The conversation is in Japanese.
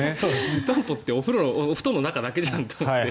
湯たんぽってお布団の中だけじゃんと思って。